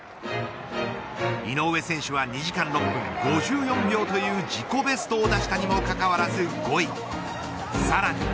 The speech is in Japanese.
井上選手は２時間６分５４秒という自己ベストを出したにもかかわらず５位。